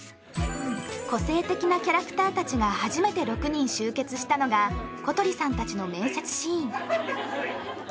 個性的なキャラクター達が初めて６人集結したのが小鳥さん達の面接シーン